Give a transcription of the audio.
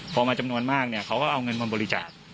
พอมาจำนวนมากเนี่ยเขาก็เอาเงินมาบริจาค